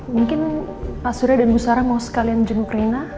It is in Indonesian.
mungkin pak surya dan bu sara mau sekalian jemuk rena